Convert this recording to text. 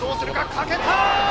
かけた！